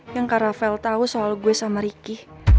yang kak raffel tau soal gue sama ricky